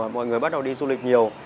mọi người bắt đầu đi du lịch nhiều